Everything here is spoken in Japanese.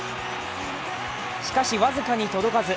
しかし、僅かに届かず。